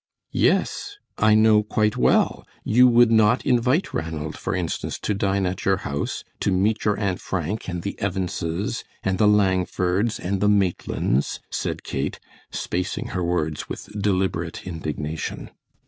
"Yes, I know quite well; you would not invite Ranald, for instance, to dine at your house, to meet your Aunt Frank and the Evanses and the Langfords and the Maitlands," said Kate, spacing her words with deliberate indignation.